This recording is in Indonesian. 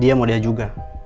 dia model juga